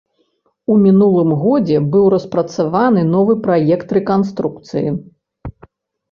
У мінулым годзе быў распрацаваны новы праект рэканструкцыі.